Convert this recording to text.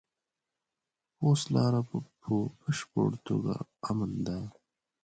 اوس لاره په بشپړه توګه امن ده.